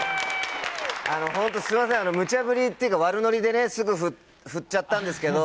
ホントすいませんむちゃぶりっていうか悪ノリでねすぐふっちゃったんですけど。